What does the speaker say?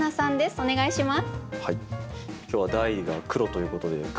お願いします。